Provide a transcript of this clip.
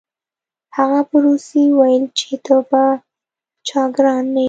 هغه په روسي وویل چې ته په چا ګران نه یې